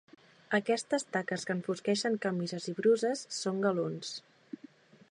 Aquestes taques que enfosqueixen camises i bruses són galons.